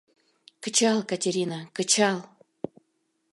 «Кычал, Катерина, кычал!